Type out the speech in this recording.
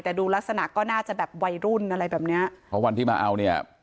แต่ดูลักษณะก็น่าจะแบบวัยรุ่นอะไรแบบเนี้ยเพราะวันที่มาเอาเนี่ย